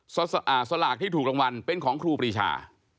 สลากที่ถูกรางวัลเป็นของครูปรีชา